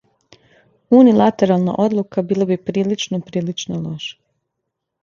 Унилатерална одлука била би прилично, прилично лоша.